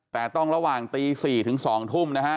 แต่ต้องระหว่างตี๔ถึง๒ทุ่มนะฮะ